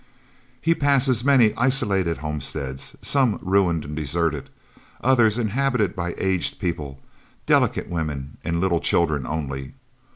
He passes many isolated homesteads, some ruined and deserted, others inhabited by aged people, delicate women, and little children only.